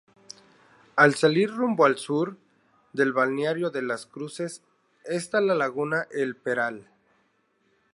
Al salir rumbo sur del balneario de Las Cruces, está la Laguna El Peral.